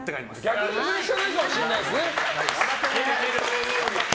逆にプレッシャーないかもしれないですね。